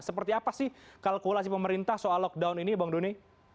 seperti apa sih kalkulasi pemerintah soal lockdown ini bang doni